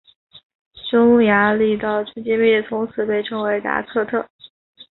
匈牙利的纯金币从此被称为达克特。